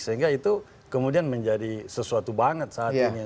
sehingga itu kemudian menjadi sesuatu banget saat ini